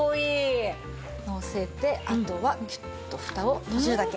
のせてあとはギュッとふたを閉じるだけ。